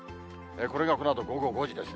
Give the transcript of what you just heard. これがこのあと午後５時ですね。